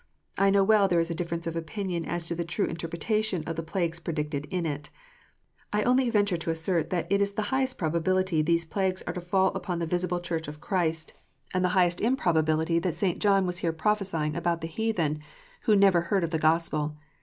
I know well there is a difference of opinion as to the true interpretation of the plagues predicted in it. I only venture to assert that it is the highest probability these plagues are to fall upon the visible Church of Christ ; and the 408 KNOTS UNTIED. highest improbability that St. John was here prophesying about the heathen, who never heard the Gospel.